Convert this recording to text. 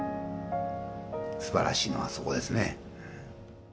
すばらしいのはそこですね。